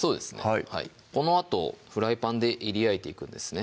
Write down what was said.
はいこのあとフライパンでいり焼いていくんですね